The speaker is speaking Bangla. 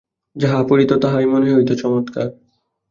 যাহা পড়িত, তাহাই মনে হইত চমৎকার।